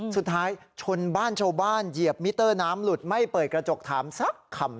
สุดท้ายชนบ้านชาวบ้านเหยียบมิเตอร์น้ำหลุดไม่เปิดกระจกถามสักคำ